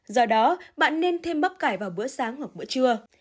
do đó bạn nên thêm bắp cải vào bữa sáng hoặc bữa trưa